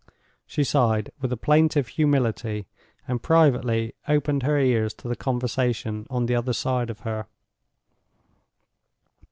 She sighed with a plaintive humility, and privately opened her ears to the conversation on the other side of her.